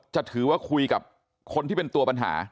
จะถือว่าคุยกับคนที่เป็นตัวปัญหา